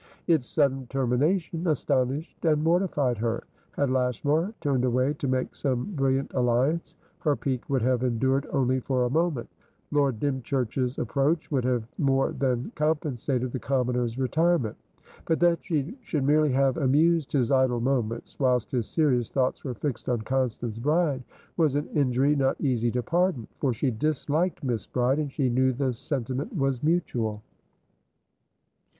Its sudden termination astonished and mortified her. Had Lashmar turned away to make some brilliant alliance, her pique would have endured only for a moment; Lord Dymchurch's approach would have more than compensated the commoner's retirement. But that she should merely have amused his idle moments, whilst his serious thoughts were fixed on Constance Bride, was an injury not easy to pardon. For she disliked Miss Bride, and she knew the sentiment was mutual.